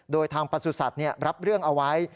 โดยทางประสุทธิ์รับเรื่องเอาไว้